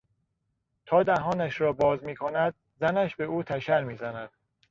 تا دهانش را باز میکند زنش به او تشر میزند.